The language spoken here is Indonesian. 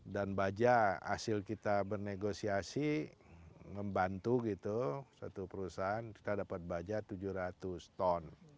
dan baja hasil kita bernegosiasi membantu gitu satu perusahaan kita dapat baja tujuh ratus ton